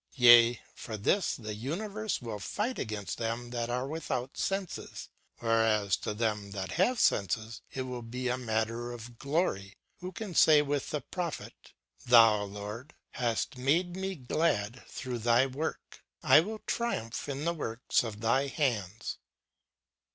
Yea, for this the universe will fight against them that are without senses, whereas to them that have senses it will be a matter of glory, who can say with the Prophet :" Thou, Lord, hast made me glad through thy work; I will triumph in the works of thy hands."